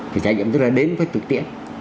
thì trải nghiệm rất là đến với thực tiễn